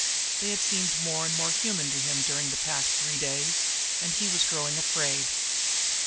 They had seemed more and more human to him during the past three days, and he was growing afraid.